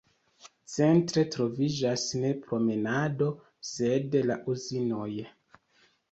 Centre troviĝas ne promenado sed la uzinoj.